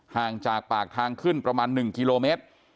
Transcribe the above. ห่างจากปากทางขึ้นประมาณ๑กิโลเมตร